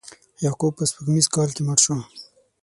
یعقوب په سپوږمیز کال کې مړ شو.